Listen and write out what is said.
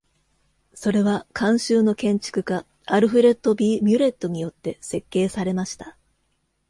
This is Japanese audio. それは、監修の建築家アルフレッド・ B ・ミュレットによって設計されました。